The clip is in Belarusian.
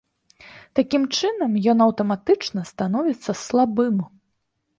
Такім чынам, ён аўтаматычна становіцца слабым.